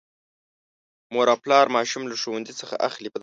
مور او پلا ماشوم له ښوونځي څخه اخلي.